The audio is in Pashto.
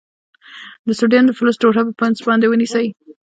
د سوډیم د فلز ټوټه په پنس باندې ونیسئ.